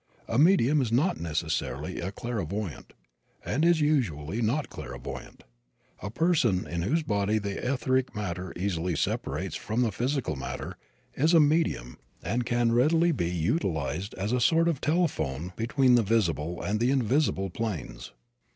A medium is not necessarily a clairvoyant, and usually is not clairvoyant. A person in whose body the etheric matter easily separates from the physical matter is a medium and can readily be utilized as a sort of telephone between the visible and the invisible planes.